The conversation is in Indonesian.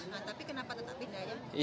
nah tapi kenapa tetap pindah ya